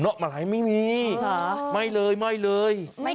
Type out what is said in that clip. งอกมะหลายไม่มีไม่เลยไม่เลย